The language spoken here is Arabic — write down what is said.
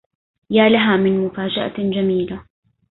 يا لها من مفاجأة جميلة.